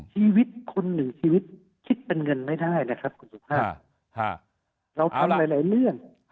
ชีวิตคนหรือชีวิตคิดเป็นเงินไม่ได้นะครับคุณจุภาพ